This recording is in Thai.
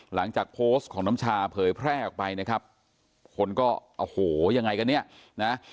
หลังจากโพสต์ของน้ำชาเผยแพร่ออกไปนะครับคนก็โอ้โหยังไงกันเนี่ยนะ